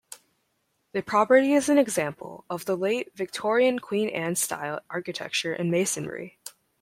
The property is an example of late Victorian Queen Anne style architecture in masonry.